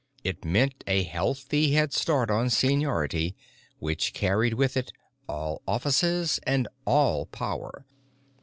It meant a healthy head start on seniority, which carried with it all offices and all power.